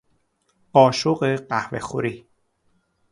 قاشق قهوهخوری